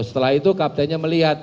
setelah itu kaptennya melihat